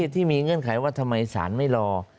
เงื่อนไขว่าทำไมศาลไม่รอ